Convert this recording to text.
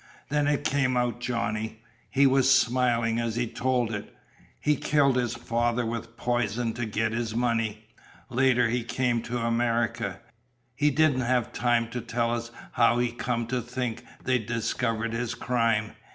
Then it came out, Johnny. He was smilin' as he told it. He killed his father with poison to get his money. Later he came to America. He didn't have time to tell us how he come to think they'd discovered his crime.